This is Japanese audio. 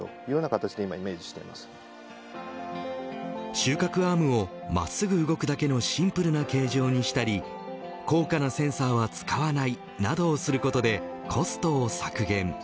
収穫アームをまっすぐ動くだけのシンプルな形状にしたり高価なセンサーは使わないなどをすることでコストを削減。